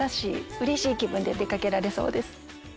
うれしい気分で出かけられそうです。